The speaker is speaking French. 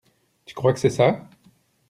Tu crois que c’est ça?